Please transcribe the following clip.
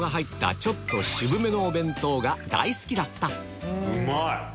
ちょっと渋めのお弁当が大好きだったうまい！